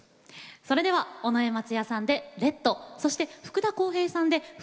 それでは尾上松也さんで「ＲＥＤ」そして福田こうへいさんで「ふるさと山河」。